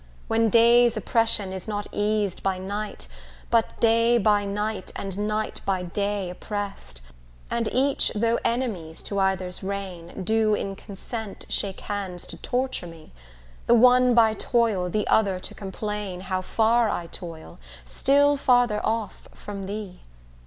When day's oppression is not eas'd by night, But day by night and night by day oppress'd, And each, though enemies to either's reign, Do in consent shake hands to torture me, The one by toil, the other to complain How far I toil, still farther off from thee.